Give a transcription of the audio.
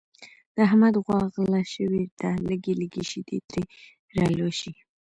د احمد غوا غله شوې ده لږې لږې شیدې ترې را لوشي.